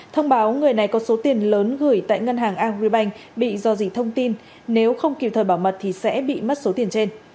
thông báo người này có số tiền lớn gửi tại ngân hàng agribank bị do dị thông tin nếu không kịp thời bảo mật thì sẽ bị mất số tiền trên